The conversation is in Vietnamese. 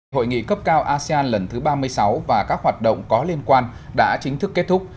hội nghị cấp cao asean lần thứ ba mươi sáu và các hoạt động có liên quan đã chính thức kết thúc